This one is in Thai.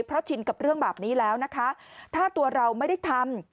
เพราะชินกับเรื่องแบบนี้แล้วนะคะถ้าตัวเราไม่ได้ทำ